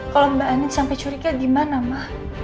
kalau mbak endin sampai curiga gimana ma